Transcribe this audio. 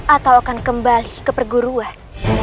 atau akan kembali ke perguruan